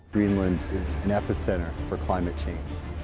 greenland adalah pusat terbaik untuk perubahan iklim